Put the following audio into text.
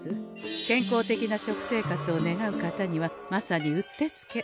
健康的な食生活を願う方にはまさにうってつけ。